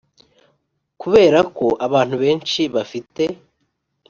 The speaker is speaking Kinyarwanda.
Kubera ko abantu benshi bafite